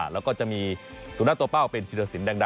แล้วก็จะมีสุนัขตัวเป้าเป็นธิรสินแดงดา